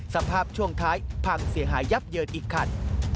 สภาพช่วงท้ายพังเสียหายยับเยินอีกคัน